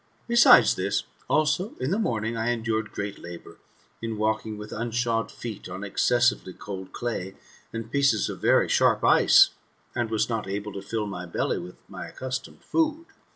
Besides this also, in the morning I endured great labour, in walking with unshod feet on excessively cold clay, and pieces of very sharp ice ; and was not able to fill my belly with my accustomed food.